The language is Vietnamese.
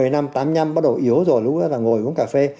một mươi năm tám năm bắt đầu yếu rồi lúc đó là ngồi uống cà phê